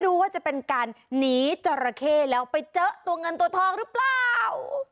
ดูว่าจะเป็นการหนีจราเข้แล้วไปเจอตัวเงินตัวทองหรือเปล่า